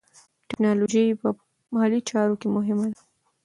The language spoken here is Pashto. ټیکنالوژي په مالي چارو کې مهمه ده.